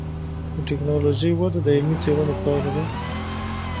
د ټکنالوجۍ وده د علمي څېړنو پایله ده.